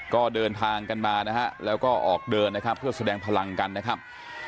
ก็เดินทางกันมานะฮะแล้วก็ออกเดินนะครับเพื่อแสดงพลังกันนะครับ